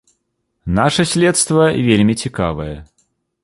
Наша следства вельмі цікавае.